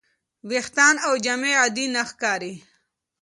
ویښتان او جامې عادي نه ښکاري.